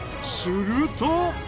すると。